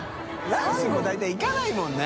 ライスも大体いかないもんね。